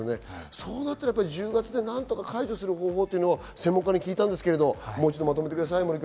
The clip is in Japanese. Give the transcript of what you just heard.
そうなったら、１０月で何とか解除する方法というのを専門家に聞いたんですけど、もう一度まとめてください、森君。